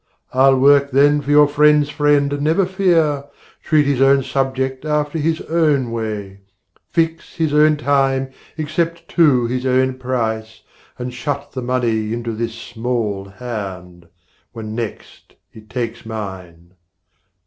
I'll work then for your friend's friend, never fear, Treat his own subject after his own way, Fix his own time, accept too his own price, And shut the money into this small hand When next it takes mine.